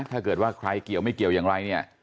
ถ้าเกิดว่าใครเกี่ยวไม่เกี่ยวอย่างไรเนี่ย